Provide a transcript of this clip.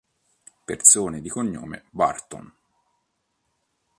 Persone di cognome Burton